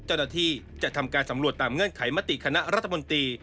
เจ้าหน้าที่จะทำการสำรวจตามเงื่อนไขมติคณะรัฐมนตรี